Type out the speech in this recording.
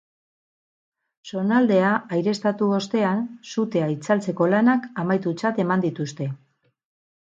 Zonaldea aireztatu ostean, sutea itzaltzeko lanak amaitutzat eman dituzte.